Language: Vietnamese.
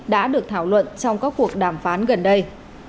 đã được thảo luận trong các cuộc đàm phán gần đây